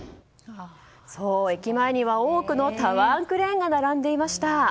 駅前には多くのタワークレーンが並んでいました。